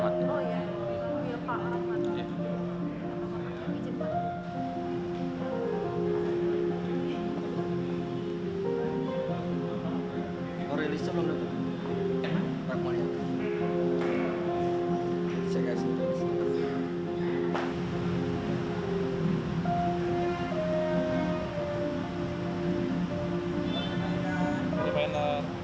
oh ya oh ya pak orangnya